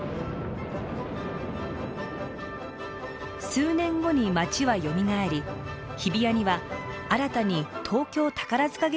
数年後に街はよみがえり日比谷には新たに東京宝塚劇場も造られました。